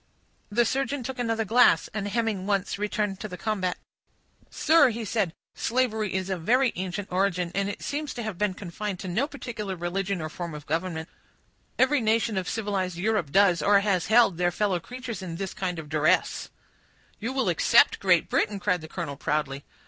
The surgeon took another glass, and hemming once, returned to the combat. "Sir," said he, "slavery is of very ancient origin, and it seems to have been confined to no particular religion or form of government; every nation of civilized Europe does, or has held their fellow creatures in this kind of duresse." "You will except Great Britain," cried the colonel, proudly.